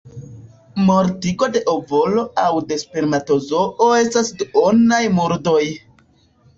Mortigo de ovolo aŭ de spermatozoo estas duonaj murdoj.